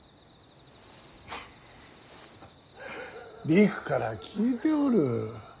りくから聞いておる。